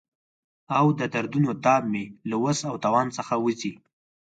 او د دردونو تاب مې له وس او توان څخه وځي.